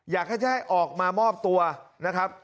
อยากให้ออกมามอบตัวนะครับ